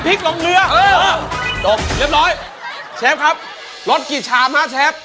รสกี่ชามห้าแช็ทรสกี่ชามห้าแช็ท